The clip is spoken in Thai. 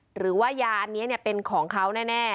หรือว่ายาอันนี้เป็นของเขาแน่